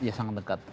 ya sangat dekat